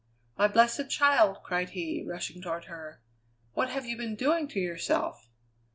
"My blessed child!" cried he, rushing toward her. "What have you been doing to yourself?"